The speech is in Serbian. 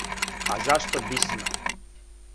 А зашто бисмо?